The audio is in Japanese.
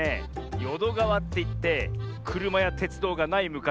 よどがわっていってくるまやてつどうがないむかしはね